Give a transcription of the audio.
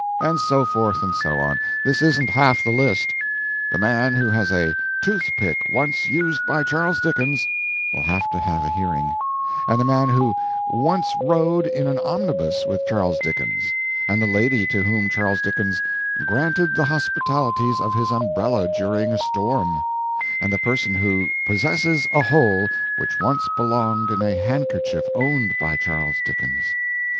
And so forth, and so on. This isn't half the list. The man who has a "Toothpick once used by Charles Dickens" will have to have a hearing; and the man who "once rode in an omnibus with Charles Dickens;" and the lady to whom Charles Dickens "granted the hospitalities of his umbrella during a storm;" and the person who "possesses a hole which once belonged in a handkerchief owned by Charles Dickens."